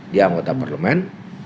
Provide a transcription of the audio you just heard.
dia anggota parlemen